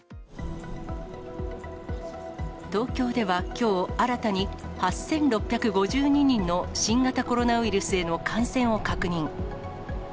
東京ではきょう、新たに８６５２人の新型コロナウイルスへの感染を確認。